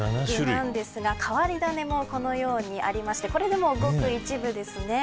変わり種もこのようにありましてこれでも、ごく一部ですね。